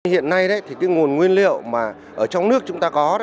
hiện nay nguồn nguyên liệu ở trong nước chúng ta có